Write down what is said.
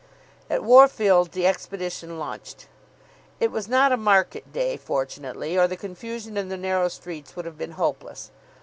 At Worfield the expedition lunched. It was not a market day, fortunately, or the confusion in the narrow streets would have been hopeless.